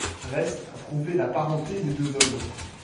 Reste à prouver la parenté des deux hommes.